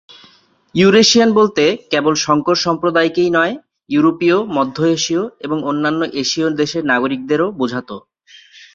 Eurasian বলতে কেবল সংকর সম্প্রদায়কেই নয়, ইউরোপীয়, মধ্যএশীয় এবং অন্যান্য এশীয় দেশের নাগরিকদেরও বোঝাত।